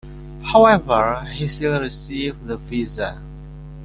However, he still received the visa.